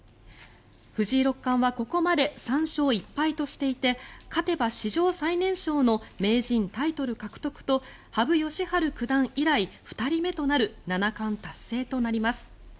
藤井六冠はここまで３勝１敗としていて勝てば史上最年少の名人タイトル獲得と羽生善治九段以来２人目となる七冠達成となります。